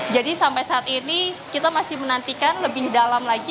jadi sampai saat ini kita masih menantikan lebih dalam lagi